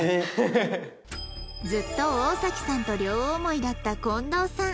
ずっと大崎さんと両思いだったこんどうさん